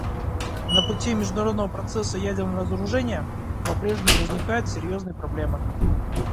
На пути международного процесса ядерного разоружения попрежнему возникают серьезные проблемы.